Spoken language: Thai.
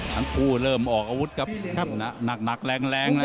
กระโ๊ดเริ่มออกอาวุธครับครับหนักหนักแรงแรงนะครับ